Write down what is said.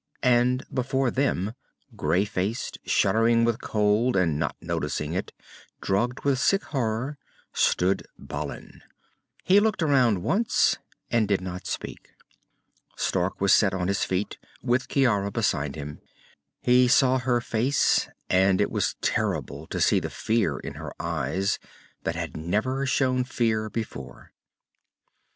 And before them, grey faced, shuddering with cold and not noticing it, drugged with a sick horror, stood Balin. He looked around once, and did not speak. Stark was set on his feet, with Ciara beside him. He saw her face, and it was terrible to see the fear in her eyes, that had never shown fear before.